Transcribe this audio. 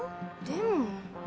でも。